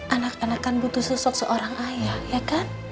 anak anak kan butuh sosok seorang ayah ya kan